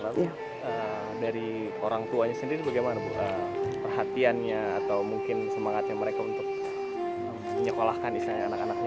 lalu dari orang tuanya sendiri bagaimana bu perhatiannya atau mungkin semangatnya mereka untuk menyekolahkan anak anaknya